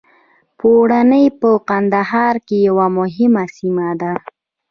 چوڼۍ په کندهار کي یوه مهمه سیمه ده.